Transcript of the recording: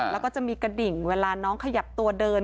แล้วก็จะมีกระดิ่งเวลาน้องขยับตัวเดิน